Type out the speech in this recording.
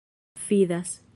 fidas